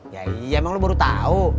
ya iya emang lu baru tau